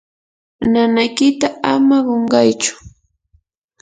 nanaykita ama qunqaychu.